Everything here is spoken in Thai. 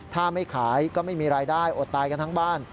ถ้าไม่ขายก็ไม่มีรายได้อดตายกันทั้งบ้าน